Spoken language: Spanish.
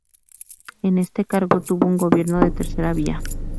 En este cargo tuvo un gobierno de ‘tercera vía’.